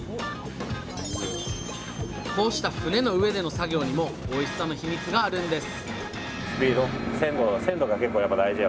こうした船の上での作業にもおいしさのヒミツがあるんです